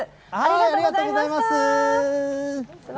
ありがとうございます。